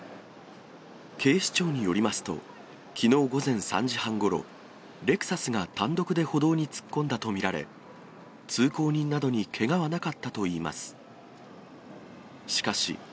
警視庁によりますと、きのう午前３時半ごろ、レクサスが単独で歩道に突っ込んだと見られ、通行人などにけがはなかったといいます。